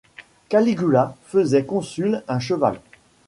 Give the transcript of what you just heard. Caligula faisait consul un cheval ;